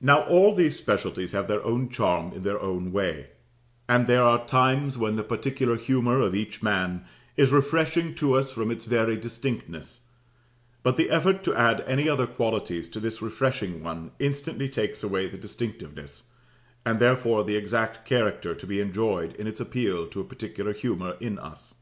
Now all these specialties have their own charm in their own way: and there are times when the particular humour of each man is refreshing to us from its very distinctness; but the effort to add any other qualities to this refreshing one instantly takes away the distinctiveness, and therefore the exact character to be enjoyed in its appeal to a particular humour in us.